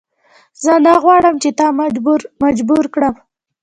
زه نه غواړم چې تا مجبور کړم.